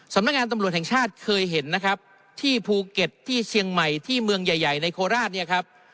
สำนักงานตำรวจแห่งชาติเคยเห็นนะครับที่ภูเก็ตที่เชียงใหม่ที่เมืองใหญ่ใหญ่ในโคราชเนี่ยครับ